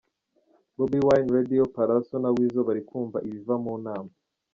Bobi Wine, Radio Palasso na Weasel bari kumva ibiva mu nama.